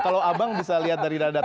kalau abang bisa lihat dari data